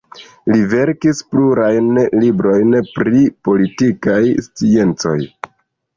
Li verkis plurajn librojn pri politikaj sciencoj.